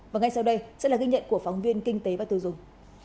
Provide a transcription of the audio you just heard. và ngay sau đây sẽ là ghi nhận của phóng viên kinh tế và tiêu dùng